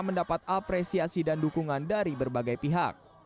mendapat apresiasi dan dukungan dari berbagai pihak